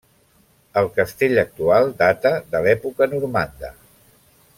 El castell actual data de l'època normanda.